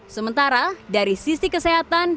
sementara dari sisi kesehatan